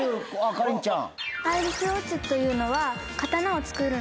かりんちゃん。